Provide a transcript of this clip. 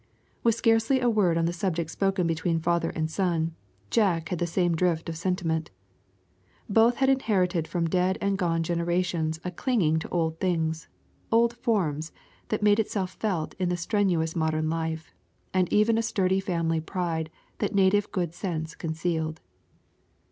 With scarcely a word on the subject spoken between father and son, Jack had the same drift of sentiment. Both had inherited from dead and gone generations a clinging to old things, old forms, that made itself felt in the strenuous modern life, and even a sturdy family pride that native good sense concealed.